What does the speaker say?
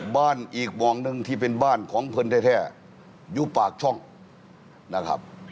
บ้านอีกบ่อหนึ่งที่เป็นบ้านของเพื่อนแท้อยู่ปากช่องนะครับ